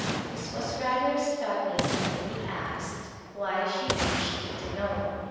This was rather startling and we asked why she wished to know.